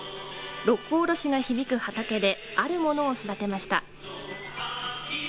六甲おろしが響く畑であるものを育てました。